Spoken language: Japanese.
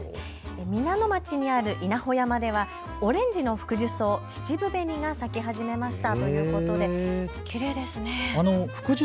皆野町にある稲穂山ではオレンジのフクジュソウ、秩父紅が咲き始めました。